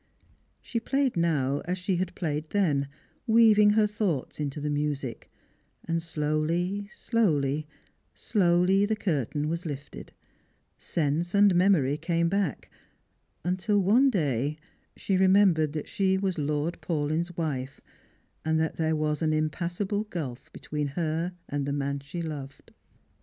She played now as she had played then, weaving her thoughts into the music; and slowly, slowly, slowly the cui'tain was lifted, sense and memory came back, until one day she remembered that she was Lord Paulyn's wife, and that there was an impassable gulf between her and the man she loved.